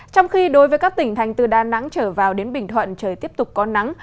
trong khi đối với các tỉnh thành từ đà nẵng trở vào đến bình thuận trời tiếp tục có nắng